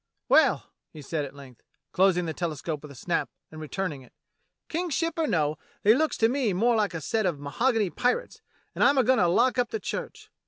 Well," he said at length, closing the telescope with a snap, and returning it, "Eang's ship or no, they looks to me more like a set of mahogany pirates, and I'm a goin'to lock up the church.